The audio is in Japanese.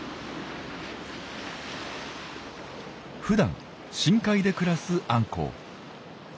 ふだん深海で暮らすアンコウ。